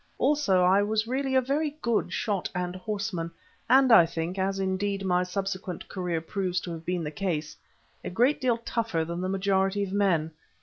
Also I was really a very good shot and horseman, and I think—as, indeed, my subsequent career proves to have been the case—a great deal tougher than the majority of men.